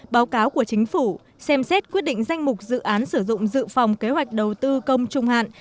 báo cáo của chính phủ xem xét quyết định danh mục dự án sử dụng dự phòng kế hoạch đầu tư công trung hạn